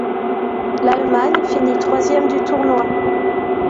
L'Allemagne finit troisième du tournoi.